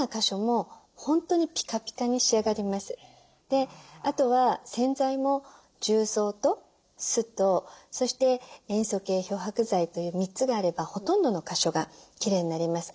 であとは洗剤も重曹と酢とそして塩素系漂白剤という３つがあればほとんどの箇所がきれいになります。